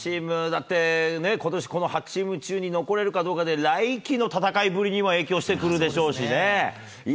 だって、ことし、この８チーム中に残れるかどうかで、来季の戦いぶりにも影響してくるでしょうしね。